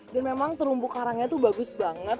dan memang terumbu karangnya tuh bagus banget